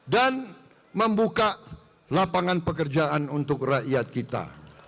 dan membuka lapangan pekerjaan untuk rakyat kita